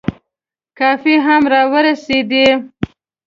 کافي هم را ورسېده.